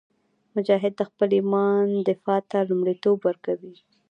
مجاهد د خپل ایمان دفاع ته لومړیتوب ورکوي.